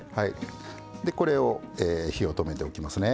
でこれを火を止めておきますね。